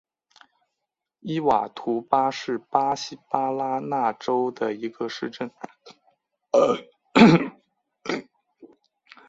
伊瓦图巴是巴西巴拉那州的一个市镇。